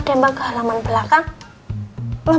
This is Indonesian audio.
tembak ke halaman belakang